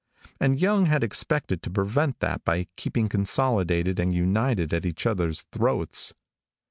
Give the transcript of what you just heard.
And Young had expected to prevent that by keeping Consolidated and United at each other's throats.